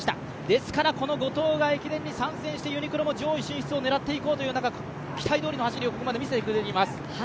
ですからこの後藤が歴伝に参戦してユニクロも上位を狙っていこうという期待どおりの走りをここまで見せてくれています。